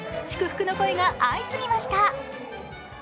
祝福の声が相次ぎました。